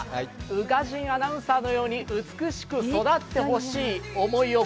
宇賀神アナウンサーのように美しく育ってほしいという